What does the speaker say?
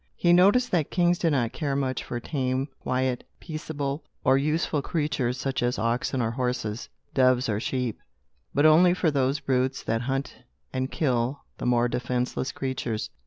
He noticed that kings did not care much for tame, quiet, peaceable, or useful creatures, such as oxen or horses, doves or sheep; but only for those brutes that hunt and kill the more defenceless creatures.